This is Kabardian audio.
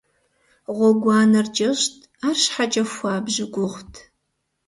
Гъуэгуанэр кӏэщӏт, арщхьэкӏэ хуабжьу гугъут.